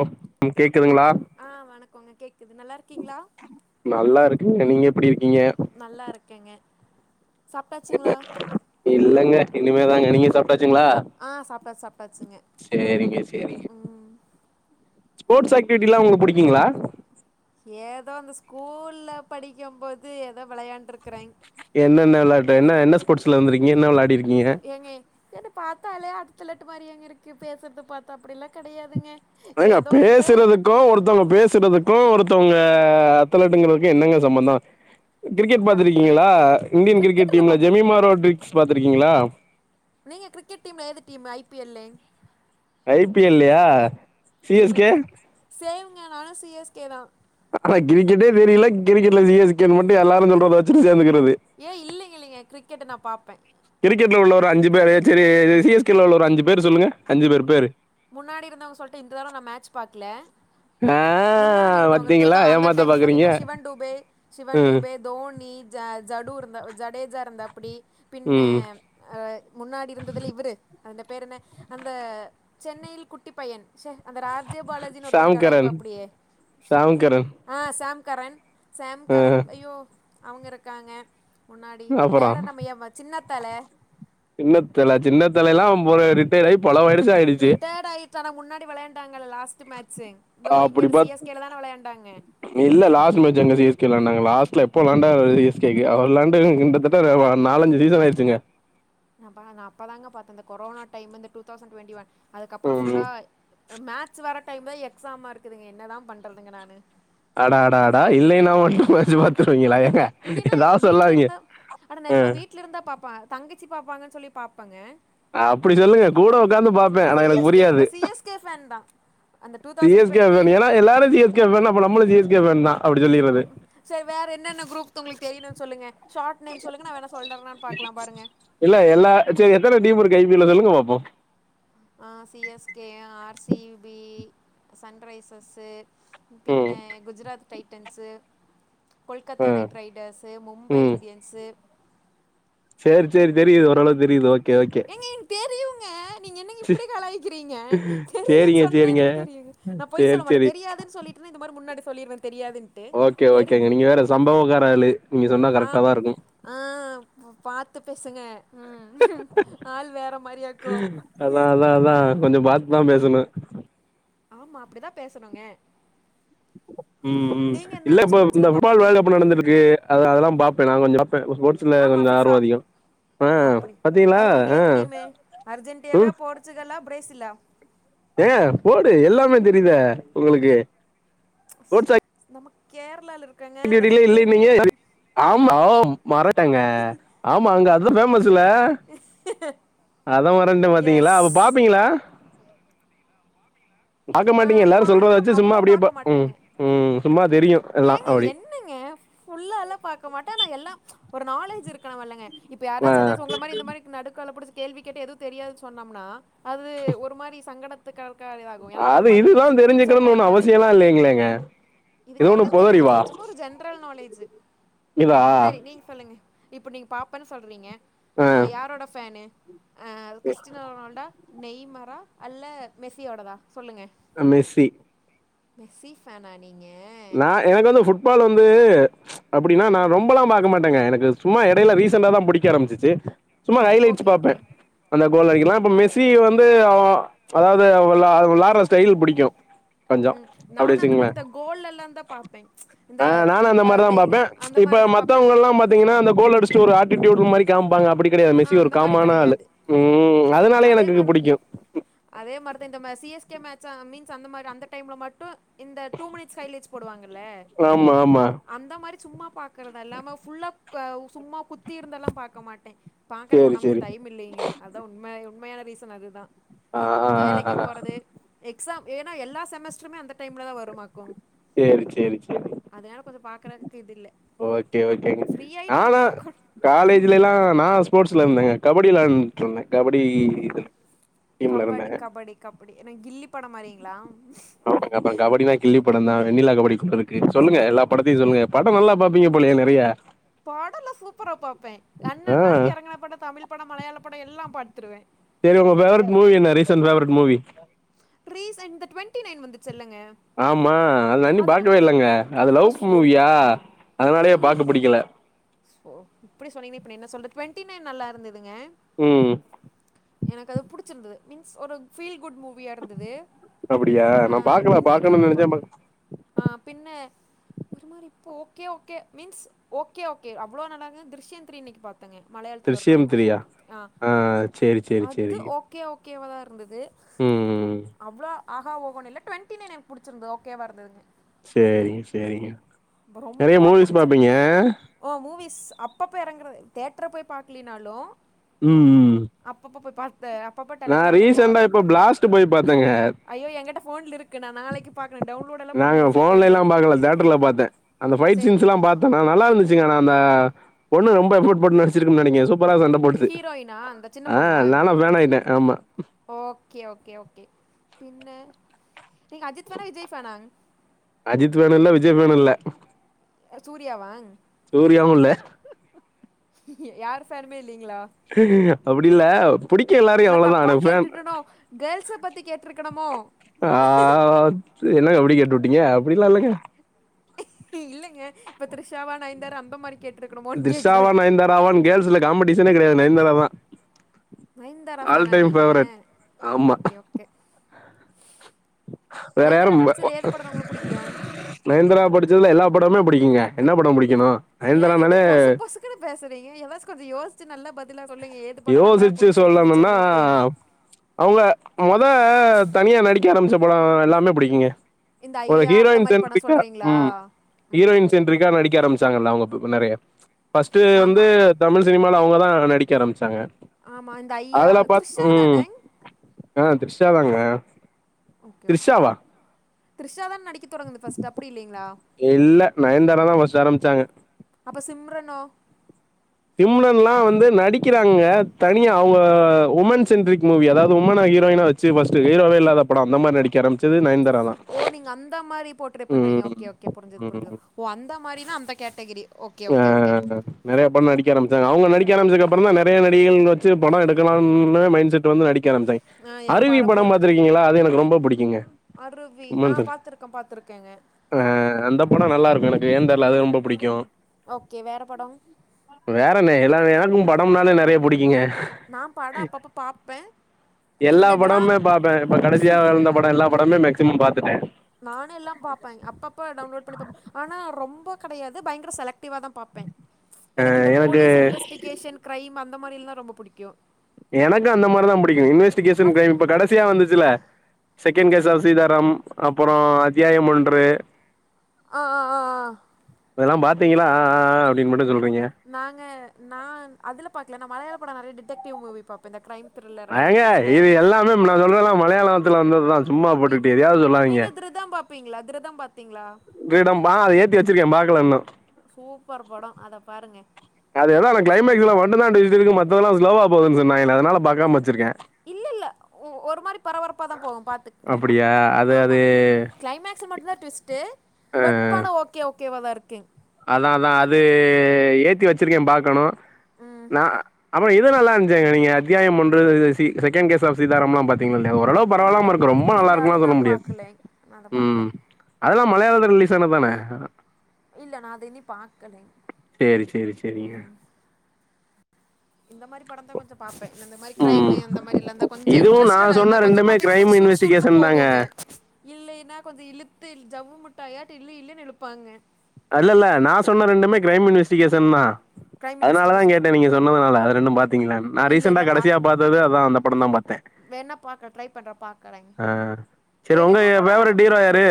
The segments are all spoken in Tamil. ஓ டிக்கு கேக்குதுங்களா வணக் ஆ வணக்கோங்க கேக்குது நல்லா இருக்கீங்களா நல்லா நீங்க எப்படி இருக் நல்லா இருக்கேங்க சாப்ட்டாச்சுங்களா இனிமே தாங்க நீங்க சாப்ட்டாச்சுங்களா ஆ சாப்ட்டாச்சு சாப்ட்டாச்சுங்க சேரிங்க செரிங்க ஸ்போர்ட்ஸ் ஆக்டிவிட்டில்லா உங்களுக் புடிக்கீங்களா ஏதோ அந்த ஸ்கூல்ல படிக்கும் போது ஏதோ விளையாண்டுருக் என்னென விளையாட்டு என்ன என்ன ஸ்போர்ட்ஸ்ல வந்ருக்கீங்க என்ன விளையாட் ஏங்க என்ன பாத்தாலே அத் த்துலட்டு மாரியாங்க இருக்கு பேசுறத பாத்தா அப்டிலா கிடயாதுங்க ஏங்க பேசுறதுக்கு ஒருத்தவங்க பேசுறதுக்கும் ஒருத் தவங்க அத்லட்டுங்கறதுக்கு என்னங்க சம்மந்தோ கிரிக்கெட் ஓ கரெக்ட்டு தா பாத்துருக்கீங்களா இந்தியன் கிரிக்கெட் கிரிக்கெட்லா டீம்ல பாப்பே ஜெமி மாரோட்ரிக்ஸ் பாத்துருக்கீங்களா நீங்க கிரிக்கெட் டீம்ல எது டீம் ஐ பி ல் லே ஐபிஎல் லையா சி எஸ் கே ஏங்க நானு சி எஸ் கே தா ஆனா கிரிக்கெட்டே தெரில கிரிக்கெட்ல சி எஸ் கே மட்டு எல்லாரு சொல்றத வச்சு சேந்துகி ஏ இல்லைங்க இல்லைங்க கிரிக்கெட்டு நா பாப்பே கிரிக்கெட்ல உள்ள ஒரு அஞ்சு பேரு சரி சிஎஸ்கேல உள்ள ஒரு அஞ்சு பேரு சொல்லுங்க அஞ்சு பேர் பேரு முன்னாடி இருந்தவங்க சொல்ட்டு இந்ததடவ நா மேட்ச் பாக்கல நா முன்னாடி இருந்தவங்க டூதவ் அந்த டைம்ல பாத்தீங்கன்னா சிவன்டூபே ம் சிவன்டூபே தோனி ஜ ஜடு இருந்தா ஜடேஜா இருந்தாப்டி பின்ன ம் அ முன்னாடி இருந்ததுல இவரு அந்த பேரு என்ன அந்த சென்னையில் குட்டி பையன் சே அந்த ஆர்ஜே பாலாஜின்னு ஒருத்தன சாம்கரன் கலாய்ப்பாப்படியே சாம்கரன் ஆ சஷாம்கரன் ஆ சாம்கரன் ஐயோ அவங்க இருக்காங்க முன்னாடி அப்றோ வேற நம்ம எவ சின்னத்தல சின்னத்தல சின்னத்தலல்லா [unintelligible] ரிப்பேர் ஆயி பல வருஷம் ஆயிடுச்சு ங்கள லாஸ்ட் மேட்ச்சு இதோ அப்படி இங்க சி பாத் எஸ் கேல தான விளையாண்டாங்க இல்ல லாஸ்டு மேட்ச் எங்க சி எஸ் கேல விளையண்டங்க லாஸ்ட் ட்டுல எப்போ விலாண்டாங்க சி எஸ் கே க்கு அவரு விலாண்டு கிட்டத்தட்ட நாலஞ்சு சீசன் ஆயிச்சுங்க நாஅப்பதாங்க பாத்தே இந்த கொரோனா டைம்ந்து டூதவ்சன் டுவென்டி ஒன் அதுக்கப்றோ ம் புல்லா மேட்ச் வர டைம் தா எக்ஸாம இருக்குதுங்க என்னதா பண்றதுங்க நானு அடா அடா அடா இல்லேன்னா மட்டும் மேட்ச் பாத்துருவீங்கள இல்லேன்னா வீட்ல இருந்தா ஆனா ஆ நெஜமா வீட்ல இருந்தா பாப்பா தங்கச்சி பாப்பாங்கன்னு சொல்லி பாப்பங்க அப்டி சொல்லுங்க கூட உக்கார்ந்து பாப்பே ஆனா எனக்கு சிஎஸ்கே புரியாது சிஎஸ்கே ஃபேன் தான் அந்த two C thousand S K fan டுவெண்ட்டியில் ஏன்னா எல்லாரு சி எஸ் கே ஃபேன்னா நம்மளும் சி எஸ் கே ஃபேனு தா அப்டி சொல்லிறது வேற என்னென்ன குரூப்த் உங்களுக்கு தெரியணும்னு சொல்லுங்க பாருங்கள் இல்ல எல்லா சரி எத்தன டீம் இருக்கு ஐ பி யல்ல சொல்லுங்க பாப்போ ஆ C S K R C B Sunrisers பின்ன ம் குஜராத் டைட்டன்ஸ்சு ஆ கொல்கத்தா நைட் ரைடர்ஸு மும்பை ம் இந்தியன்ஸு சேரி சேரி தெரியுது ஓரளவு தெரியுது ஓகே ஓகே ஏங்க என் தெரியுங்க நீங்க என்னங்க சி இப்டி கலாயிக்கிறீங்க தெரியுன்னு சேரிங்க சொன்னா சேரிங்க எனக்கு தெரியுங்க நா பொய் சேரி சொல்ல மாட்ட சேரி தெரியாதுன் சொல்லிட்டன இந்த மாரி முன்னாடி சொல்லிடுவேன் தெரியாதுன்ட்டு ஓகே தெரிஞ் ஓகேங்க நீங்க வேற சம்பவக்கார ஆளு நீங்க சொன்னா ஆ கரெக்டா தா இருக்கு ஆ பாத்து பேசுங்க ம் ஆள் வேற மாரியாக்கு அதா அதா அதா கொஞ்சோ பாத்துதா பேசணு ஆமா அப்டிதா பேசணுங்க ம் ம் நீங்க இல்ல என்னென்ன இப்போ ஸ்போர்ட்ஸ் இந்த எல்லாம் புட்பால் வேல்டு பாப்பீங்க கப் நடந்திருக்கு அத அதெல்லா பாப்பே நா கொஞ்சோ ஸ்போர்ட்ஸ்ல கொஞ்சோ ஆர்வம் அதிகம் ஆ அப்டி பாத்தீங்களா அது நீங்க ஏது டீமு அர்ஜென்டேவா போர்ச்சுகல்லா பிரேசில்லா ஏங்க போடு எல்லாமே தெரியுதே உங்களுக்கு நம்ம கேரளா இருக் டிடிலியே இல்லீனிங்க ஆம் ஓ [inaudible] ஆமா அங்க அதா ஃபேமஸ் ல அத மறந்ட்டே பாத்திங்களா எஸ் அப்ப பாப்பிங்களா பாக்க மாட்டீங்க எல்லாரு சொல்றத பார்க்க வெச்சு மா- சும்மா அவ்வளோ அப்டியே ப பார்க்க ம் மாட்டேங்க ம் சும்மா தெரியு எல்லா ஏங்க அப்டி என்னங்க ஃபுல்லா எல்லா பாக்க மாட்டே ஆனா எல்லா ஒரு நாலேஜு இருக்கனு வல்லங்க இப்ப ஆ யாராச்சு எதாச்சு உங்கள மாரி இந்த மாரி நடுக்கால புடிச்சு கேள்வி கேட்டா எது தெரியாது சொன்னம்னா அது ஒரு மாரி சங்கடத்து கால் காலி ஆகு என இல்ல இதுலான் தெரிஞ்சுக்கணுன் ஒண்ணு அவசியெல்லா இல்லீங்ளேங்க எதோ ஒண்ணு பொது அறிவா லேஜு செரி நீங்க சொல்லுங்க இப்ப நீங்க பாப்பன் சொல்றீங்க ஆ அ யாரோட ஃபேனு அ கிறிஸ்டினா ரொனால்டா நெய்மரா அல்ல மெஸ்சியோடதா சொல்லுங்க அ மெஸ்சி மெஸ்சி ஃபேனா நீங்க நா எனக்கு வந்து ஃபுட்பால் வந்து அப்டின்னா நா ரொம்பலா பாக்க மாட்டங்க எனக் இது சும்மா எடைல ரீசெண்டா தா புடிக்க ஆரம்மிச்சிச்சி சும்மா ஹைலைட்ஸ் ஓகே பாப்பே ஓகே அந்த கோல் அடிக்கலா இப்ப மெஸ்சி வந்து அவ அதாவது வெளா வெளாட்ற ஸ்டைல் புடிக்கு கொஞ்சோ அப்டி வெச்சுக்ங்ளே ல்ல எல்லாந்தா பாப்பே இந்த அந்த உக்க மாரிதா டெய்லியு பாப்பே அந்த மாரிதா பாப்பே ட்டு ஒரு ஆட்டிடியூடு மாரி காம்ப்பாங்க அப்புடி கெடையாது மெஸ்சி ஒரு அந்த காம் மாதிரி ஆன ஆளு கிடையாது ம் அதுனாலயே அதே எனக்கு மாதிரி புடிக்கு அதே மார்தா இந்த மெஸ்சிய க்க மேச்சா மீன்ஸ் அந்த மார் அந்த டைம்ல மட்டு இந்த டூ மினிட்ஸ் ஹைலைட்ஸ் போடுவாங்க ல ஆமா ஆமா அந்த மாரி சும்மா பாக்கறதா இல்லாம ஃபுல்லா குவவ் சும்மா குத்தி இருந்தெல்லாம் பாக்க மாட்டே பாக்கறதுக்கு சேரி ஒண்ணாம்த சேரி டைம் இல்லீங்க அதா உண்மே உண்மையான ரீசன் அதுதா ஆ ஆ‌ ஆ அ அ க்ஸாம் ஏனா எல்லா செமஸ்ட்ருமே அந்த டைம்ல தா வருமா சேரி சேரி சேரி கொஞ்சோ பாக்குறதுக்கு இது இல்ல ஓகே ஓகேங்க ஃப்ரீ ஆயிட்டு ஆனா நாலா பாக்கணு ம் காலேஜ்ல எல்லா சொல்லு நா ஸ்போட்ஸ் லந்தங்க கபடி விளாண்ட்ருந்தே கபடி இது டீம்ல இருந்தே கபடி கபடி கபடி எனக் கில்லி படோ மாரிங்களா [inaudible] கபடினா கில்லி படந்தா வெண்ணிலா கபடி குழு இருக்கு சொல்லுங்க எல்லா படத்தியு சொல்லுங்க படோ நல்லா பாப்பீங்க போலயே நறைய படல்லா சூப்பரா பாப்பே ஆ அண்ணன் நாளைக்கி எறங்கன படோ தமிழ் படோ மலையாள படோ எல்லாம் பாத்துருவே சேரி உங்க ஃபேவரெட் மூவி என்ன ரீசன் ஃபேவரெட் மூவி ரீசென் இந்த டுவெண்டி நைன் வந்துட் ஆமா அது நா இன்னி பாக்கவே கொஞ்சோ இல்லங்க அது அ லவ்ப் சூப் மூவியா அதுனாலயே பாக்க புடிக்கல சோ இப்பிடி சொன்னீங்கனா இப்ப என்ன சொல்ற டுவெ ன்ட்டி நைன் நல்லா இருந்துதுங்க ம் எனக்கு அது புடிச்சிருந்துது மீன்ஸ் ஒரு ஃபீல் குட் மூ வியாருந்துது அப்டியா அ நா பாக்கல இன்னைக்கு பாக்கணுன் ஒருப்பா நெனச்சே பாக் ஆ பின்ன ஒரு மாரி இப்போ okay okay means okay okay அவ்ளோ நல்லாக த்ரிஷ்யந்த்ரி இன்னிக்கு பா த்தங்க மலையாளத்ல ஒரு படோ திருஷ்யம் த்ரீயா த்ரிஷ்யம் அ ஆ சேரி சேரி அது சேரி ஓகே ஓகேவா தாருந்தது ம் அவ்ளோ ஆஹா ஓஹோணுல்ல ட்வென்ட்டி நைன் எனக் புடிச்சிருந்தது ஓகேவா இருந்ததுங்க சேரிங்க சேரிங்க நெறைய ரொம்ப மூவிஸ் பிடிச்ச பாப்பீங்க ஓ மூவிஸ் அப்பப்ப எறங்கறது தேட்ர போய் பாக்லீனாலு ம் ம் ம் த அப்பப்ப டெலகிராம்ல எப்போ வருதோ அப் பாத்துரு ட்டு போய் பாத்தங்க எங்கட்ட ஃபோன்லிரு நாங்க வச்சிருக்கேங்க போன்லேல்லா பாக்கல தியேட்டர்ல பாத்தே அந்த பைட் சரிங்க சீன்ஸ்ல்லா பாத்தனா நல்லாருந்துச்சுங்க ஆனா அந்த பொண்ணு ரொம்ப எபோர்ட் போட்டு நடிச்சிருக்குன் நெனக்க சூ ப்பரா சண்டை போட்டுச்சி ஹீரோயினா அந்த சின்ன ஆ பொண்ணா நானா பேனாயிட்டே ஆமா ஓகே ஓகே ஓகே பின்ன நீங்க அஜித் பேனா விஜய் பேனாங்க அஜித் ஃபேனு இல்ல விஜய் பேனில்ல சூர்யா வா சூர்யாவு இல்ல யார் பேனுமே இல்லிங்களா அப்டில்ல நா தப்பா கேட்டுட்டேனோ கேள்ஸ் பத்தி கேட்டிருக்கணுமோ ஆ என்னங்க இப்டி கேட்டுபோட்டீங்க அப்டிலா இல்லைங்க இல்லேங்க இப்ப திரிஷாவா நயன்தாரா அந்தமாரி கேட் திரிஷாவா நயந்தாரவா கேள்ஸ்ல காம்படிஷனே கெடயாது நயந்தார தா நயந்தாரா ஆல் பேனா டைம் நீங்க ஃபேவரட் ஆமா ஓகே ஓகே வேற யாரும் நயன்தாரா இல்ல நடிச்சதுல அ ஏது படோ உங்களுக்கு புடிக்கு நயந்திரா படிச்சதுல எல்லா படமே பிடிக்குங்க என்னா பட பிடிக்கணு ஏங்க இப்டி பொசுக் பொசுக்குன்னு பேசுறீங்க எதாச்சு கொஞ்ச யோசிச்சு நல்ல பதில் ல்லா சொல்லுங்க ஏது பட நல்லா யோசிச்சு புடிச்சிருந்ததுனு சொல்லணும்னா சொல்லிட்டு அவங்க மொத தனியா நடிக்க ஆரம்பிச்ச பட எல்லாமே பிடிக்குங்க இந்த ஒரு ஐயா அந்த ஹீரோயின்ஸ் மாரி படம் என்ட்ரிக்கா சொல்றீங்களா ம் ம் ம் ஹீரோயின்ஸ் என்றிக்கா நடிக்க ஆரம்பச்ச [unintelligible] அவங்க நெறைய பஸ்ட்டு வந்து ஆமா தமிழ் சினிமால அவங்க தா நடிக்க ஆரம்பிச்சாங்க ஆமா இந்த ஐயா அதுல பாத் த்ரிஷாதானே ம் ஆ த்ரிஷாதாங்க ஓகே ஓகே த்ரிஷாவா த்ரிஷா தான் நடிக்க தொடங்குது பஸ்ட்டு அப்டி இல்லைங்களா இல்ல நயன்தாராதா ஃபர்ஸ்ட் ஆரம்பிச்சாங்க அப்ப சிம்ரனோ சிம்ரன்லா வந்து நடிக்கிறாங்க தனியா அவங்க உமன் சென்ட்ரிக் மூவி அதாவது உமனா ஹீரோயினா வச்சி பஸ்ட்டு ஹீரோவே இல்லாத பட அந்த மாரி நடிக்கர ஓ நீங்க அந்த மாரி போட்ரே பண்றீங்க ம் ஓகே ஓகே புரிஞ்சிது புரிஞ்சுது ம் ஓ அந்த மாரி நா அந்த கேட் ஆ நெறய பட நடிக்க ஆரம்பிச்சாங்க அவங்க நடிக்க நடிக்க ஆரம்பிச்சதுக்கப்றந்தா நெறய நடிகைகள் வச்சு பட எடுக்கலானு மைண்ட் செட் வந்து நடிக் ஆ [unintelligible] ஏ அருவி பட படம் பொன் பாத்திருக்கீங்களா அது எனக்கு ரொம்ப புடிக்குங்க அருவி ஆ உமன் சென்ட் பாத்துருக்கோ பாத்துருக்கேங்க ஆ அந்த பட நல்லாருக்கு எனக்கு ஏன் தெர்ல அது ரொம்ப புடிக்கு ஓகே வேற படோ எல்லார எனக்கு படம்னாலே நெறைய பிடிக்குங்க நா படோ அப்பப்ப பாப்பே எல்லா இந்த ட்ரா படமுமே பாப்பே இப்ப கடைசியா வந்த பட எல்லா படமே மேக்சிமம் பாத்துட்டே நானு எல்லாம் பாப்பே அப்பப்ப டவுன்லோட் பண்ணி பாபே ஆனா ரொம்ப கெடயாது பயங்கர செலக்ட் டிவா தா பாப்பே எனக்கு இந்த போலீஸ் இன்வெஸ்டிகேஷன் கிரைம் அந்த மாரில்லா ரொம்ப புடிக்கு எனக்கு அந்த மாரிதா பிடிக்கு இன்வெஸ்டிகேஷன் அத் கிரைம் இப்ப கடைசியா வந்துச்சுல செகண்ட் கேஸ் ஆஃப் சீதாரம் அப்பற அத்தியாயம் ஒன்று ஆ ஆ ஆ அதெல்லா பாத்தீங்களா ஆ ஆ ஆ அப்டின்னு மட்டு சொல் நாங்க நான் அதுல பாக்கல நா மலையால பட நெறைய டிடெக்டிவ் மூவி பாப்பே இந்த கிரைம் ஏங்க இ து எல்லாமே நா சொல்றலா மலையாளத்துல வந்ததுதா சும்மா போட்டுக்கிட்டு எதையாவது நீங்க திருதம் பாப்பீங்களா திருதம் ப கீரிடம்பா ஆ ஏத்தி வச்சிருக்கே பாக்கல இன்னு சூப்பர் படோ அத பாருங்க அது எதோ கிளைமக்ஸ்ல மட்டுந்தா [unintelligible] இருக்கு மத்ததெல்லா ஸ்லோவ போகுது சொன்னாங்கலே அதனால பாக்காம வச்சிருக்கே இல்லல்ல ஒரு மாரி பரபரப்பாதா போகு பாத்துக்குங்க அப்படியா அது ஆமா அது கிளைமேக்ஸ் மட்டு தா டுவிஸ்ட்டு அ பட் படமோ ஓகே ஓகேவா தாருக் அதா அதா அது ஏத்தி வொச்சிருக்கே பாக்கணு ம் நா அப் றோ இது நல்லாருந்ச்சிங்க நீங்க அத்தியாயம் ஒன்று சி செகண்ட் கேஸ் ஆஃப் சீதாராம்ல்லா பாத்தீங்ளா அ ஓரளவு இல்ல பரவால்லாமருக்கு ரொம்ப இல்ல அது நல்லாருக்கும்லா சொல்ல நான் முடியாது பார்க்கல நான் அதை பார்க்கல ம் அதல்லா மலையாளதுல ரிலீஸ் ஆனது தான இல்ல நா அத இன்னியு பாக்கலேங் சேரி சேரி சேரிங்க இந்த மாரி படந்தா கொஞ்சோ பாப்பே இந்த மாரி கிரைமு ம் அந்த மாரில்லா தா கொஞ்சோ இதுவு நா இன்ட்ரெஸ்ட்டடா அதுதா சொன்ன கொஞ்சோ ரெண்டுமே பாத்தீங்கனா கிரைம் கொஞ்சோ சுர் சுர்ருன்னு இன்வெஸ்டிகேஷன் தாங்க போகுங்க இல்லைன்னா கொஞ்சோ இலுத்து ஜவ்வு முட் டாயாட்டு இல்லு இல்லுன்னு இலுப்பாங்க அல்லல்ல நா சொன்ன ரெண்டுமே கிரைம் இன்வெஸ்டிகேஷன் தா க்ரைம் அதனாலதா இன்வெஸ்டிகேஷன் கேட்டே தான் நீங்க சொன்னதுனால அது ரெண்டும் பாத்தீங்கலான்னு நா இல்லை ரீசெண்டா கடசியா பாத்தது அதா அந்த படம் தா பாத்தே வேண்ணா பாக்க ட்ரை பண்றே பாக்கறே சேரி உங்க எ ஃபேவரட் ஹீரோ யாரு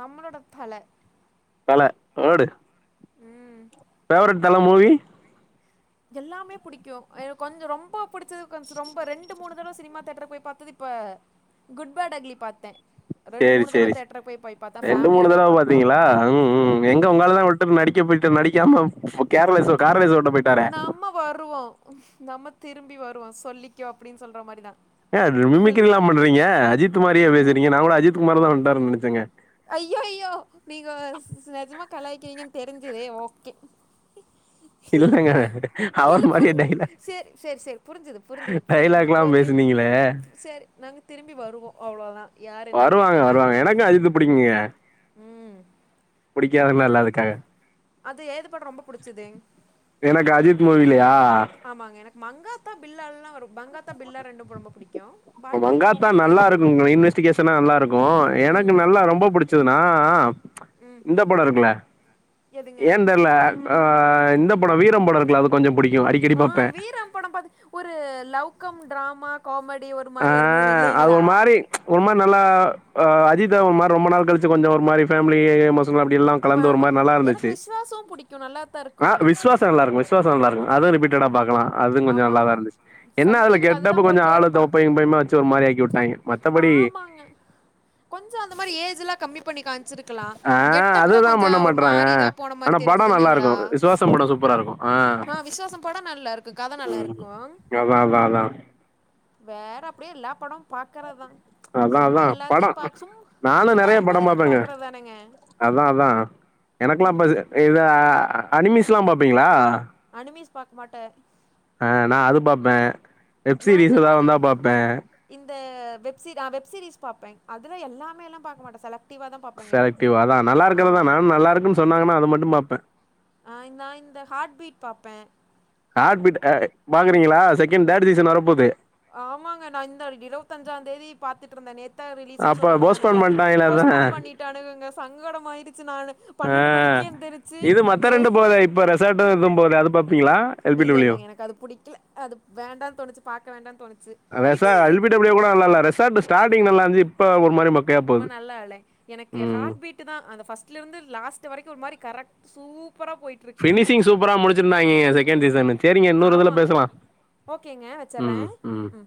நம்மளோட தல தல ஓடு ஃபேவரட் தல மூவி எல்லாமே புடிக்கு ஏ கொஞ்சோ ரொம்ப புடிச்சது கொஞ்சோ ரொம்ப ரெண்டு மூணு தடவ சினிமா தேட்டர்க்கு போய் பாத்தது இப்ப குட் பேட் அங்க்லி பாத்த சேரி சேரி சேரி ரெண்டு மூணு ஃபேமிலியோடயே தடவ பாத்தோ பாத்தீங்ளா ம் ம் எங்க உங்காளுதா வுட்டு மேர் டிக்க போயிட்டு நடிக்காம கேர் ரேஸ் கார் ரேஸ் ஓட்டப் நம்ம வருவோ நம்ம திரும்பி வருவோ சொல்லிக்கோ அப்டின்னு சொல்ற மாரிதா ஏ அது மிமிக்ரில்லா பண்றீங்க அஜித் மாரியே நம்ம பேசுறீங்க நா கூட அஜித் குமார் தா வன்டாருன்னு நெனச்சங்க ஐயோ கலாய்க்கிறீங்கன் தெரிஞ்சது ஓகே [inaudible] இல்லல்லங்க அவர் இல்ல மாரியே புரிஞ்சு டைலாக் சேரி சேரி சேரி புரிஞ்சுது புரிஞ்சுது புரிஞ்சுது டைலாக்ல்லா புரிஞ்சு பேசுனீங்ளே அ சேரி நாங்க திரும்பி வருவோ அவ்ளோதா யார் என்ன வருவாங்க கேட்டாலு நாங் வருவாங்க எனக்கு அஜித்து புடிக்குங்க ம் புடிக்காதுள்ளா இல்ல அவருட்ட அதுக்காக அது ஏது படோ ரொம்ப புடிச்சது எனக்கு அஜித்து மூவிலையா ஆமாங்க எனக்கு மங்காத்தா பில்லாலல்லா வரு மங்காத்தா பில்லா ரெண்டு படோ ரொம்ப புடிக்கு பாக்கி இல்லாம மங்காத்தா உங்களுக்கு நல்லாருக்கு இன்வெஸ்டிகேஷனா நல்லாருக்கு எனக்கு நல்லா ரொம்ப புடிச்சதுனா அ ஆ இந்த படோருக்குல்ல எதுங்க ஏன் தெர்ல அ அ இந்த படோ வீரம் படோருக்குல்ல அது கொஞ்சோ புடிக் ஆ வீரம் படோ பாத்து ஒரு லவ் கம் டிராம காமெடி ஒரு ஆ மாரி ஒரு மூவி அது இல்லைங்களா ஒரு மாரி ஒரு மாரி நல்லா அ அஜ் ஜித்த ஒரு மாரி ரொம்ப நாள் கலிச்சி கொஞ்சோ ஒரு மா‌ரி ஃபேிலி ஸ்ல அப்டி எல்லா கலந்து ஒரு ஆமா மாரி எனக்கு நல்லாருந்துச்சி விஸ்வாசோ புடிக்கு நல்லாத்தா அ இருக்குங்க விஸ்வாசோ நல்லாருக்கு விஸ்வாசோ நல்லாருக்கு அது ரிபிட்டடா பாக்கலா அது கொஞ்சோ ஆமா ஆமா நல்லாதாருந்துச்சி என்ன சன் அது டிவில கெட்டப்பு அதுதா கொஞ்சோ போட்டே ஆளு இருப்பா தொப் பையு கிப்பையுமா வெச்சி ஒரு மாரி ஆக்கிவுட் ஆமாங்க கொஞ்சோ‌ அந்த மாரி ஏஜ்ஜில்லா கம்மி பண்ணிக் காம் ச்சிருக்லா ஆ கெட்டப்புதா அதுதா கொஞ்சோ‌ பண்ண ஒரு மாட்றாங்க. மாரி இதா போன மாரி ஆனா தெரிஞ்சது படம் நல்லா இல்லிங்ளா இருக்கும். விசுவாசம் படம் சூப்பரா இருக்கும். ஆ அ விஸ்வாசோ ப படோ நல்லாருக்கு கத ம் நல்லாருக்கோ அதா அதா அதா வேற அப்டியே எல்லா படம் பாக்கறதா அதா அதா படோ நானு சும்மா நெறைய படோ இருக்கும்போது எல்லாத்தையு பாப்பேங்க பாக்கறது தானேங்க அதா அதா எனக்குல்லா பேஸ் இதா அனிமிஸ்ல்லா பாப்பீங்ளா அனிமிஸ் பாக்மாட்ட ப வெப் சீரிஸ் ஏதாவ் வந்தா பாப்ப த வெப் சீரி ஆ வெப் சீரிஸ் பாப்பேங் அதுல எல்லாமேல்லா பாக்க மாட்ட செல செலக்டிவ்வா அதா நல்லா இருக்றதா நானு நல்லா இருக்குன் சொன்னாங்னா அத மட்டு பாப்பே ஆ நா இந்த ஹார்ட் பீட் பாப்பே ஹாட் பீட் அ பாக்குறீங்களா செகண்ட் தேட் சீசன் வரப்போது ஆமாங்க நா இந்த இருவத்தஞ்சாந்தேதி பாத்துட்ருந்த நேத் தா ரிலீஸுன் அப்ப சொல்லிருந்தானுக போஸ்ட்போன் பண்ட்டாங்களே அதா போஸ்பாண்ட் பண்ணிட்டானுகங்க சங்கடமாயிரிச்சி நானு ஆ பன்னெண்டு மணிக்கே எந்திரிச்சு இது மத்த ரெண்டு அஹ் போவ்தே இப்ப ரெசாட்டு இதும் போதே அது பாப் இல்ல இல்லங்க எனக்கு அது புடிக்கில அது வேண்டான் தோணுச்சி பாக்க வேண்டான் தோணுச்சி இதூ எப் டபிள்யூ கூட நல்லால்ல ரெசாட்டு ஸ்டாட்டிங் நல்லாந்த்ச்சி இப்ப ஒரு மாரி மக் ரொம்ப நல்லா இல்ல எனக்கு ஹாட் பீட்டுதா அந்த ஃபஸ்ட்லருந்து லாஸ் ச வரைக்கு ஒரு மாரி கரெக் சூப் ஃபினிஷிங் சூப்பரா முடிச்சிருந்தாய்ங்கங்க செகண்ட் சீசனு சேரிங்க இன்னோர் இதுல ஆமா பேசலா ஓகேங்க வச்சர்றே ம்